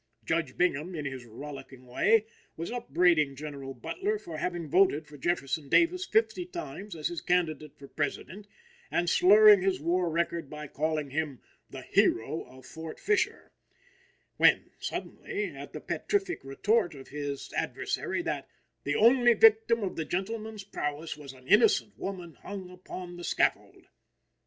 Judge Bingham, in his rollicking way, was upbraiding General Butler for having voted for Jefferson Davis fifty times as his candidate for President, and slurring his war record by calling him "the hero of Fort Fisher;" when, suddenly, at the petrific retort of his adversary that "the only victim of the gentleman's prowess was an innocent woman hung upon the scaffold!"